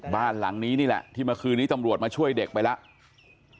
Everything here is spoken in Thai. บ้านหลังนี้นี่แหละที่เมื่อคืนนี้ตำรวจมาช่วยเด็กไปแล้ว